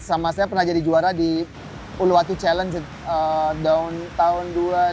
sama saya pernah jadi juara di uluwatu challenge tahun dua ribu dua